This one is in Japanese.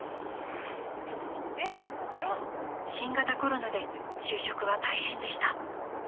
［でも新型コロナで就職は大変でした］